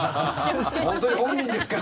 本当に本人ですか？